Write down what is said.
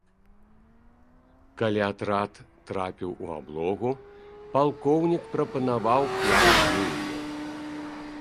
Калі атрад трапіў у аблогу, палкоўнік прапанаваў план дзеянняў.